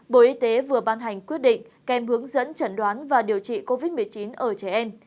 bộ y tế vừa ban hành quyết định kèm hướng dẫn chẩn đoán và điều trị covid một mươi chín ở trẻ em